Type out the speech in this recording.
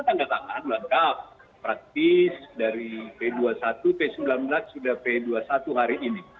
tanda tangan lengkap praktis dari p dua puluh satu p sembilan belas sudah p dua puluh satu hari ini